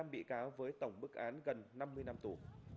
một mươi năm bị cáo với tổng bức án gần năm mươi năm tủ